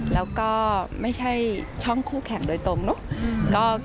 แล้วก็ไม่ใช่ช่องคู่แข่งโดยตรงเนอะ